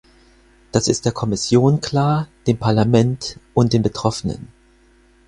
Das ist der Kommission klar, dem Parlament und den Betroffenen.